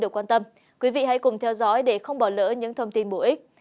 quý vị hãy cùng theo dõi để không bỏ lỡ những thông tin bổ ích